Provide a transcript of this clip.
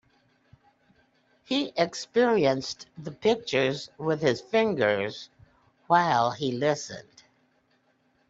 He experienced the pictures with his fingers while he listened.